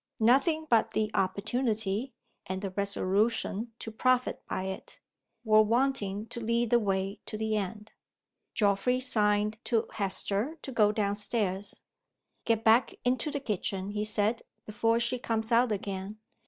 Nothing but the opportunity, and the resolution to profit by it, were wanting to lead the way to the end. Geoffrey signed to Hester to go down stairs. "Get back into the kitchen," he said, "before she comes out again.